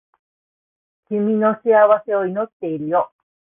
君の幸せを祈っているよ